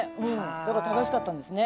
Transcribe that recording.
だから正しかったんですね。